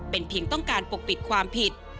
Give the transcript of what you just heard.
เป็นเพียงต้องการปกปิดความผิด